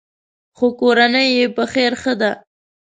خو کورنۍ یې په خیر ښه ده.